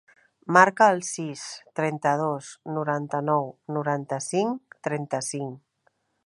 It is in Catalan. Marca el sis, trenta-dos, noranta-nou, noranta-cinc, trenta-cinc.